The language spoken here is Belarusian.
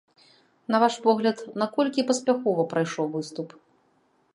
На ваш погляд, наколькі паспяхова прайшоў выступ?